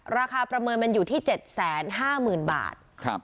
ประเมินมันอยู่ที่๗๕๐๐๐บาท